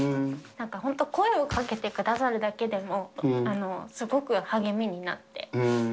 本当、声をかけてくださるだけでも、すごく励みになって。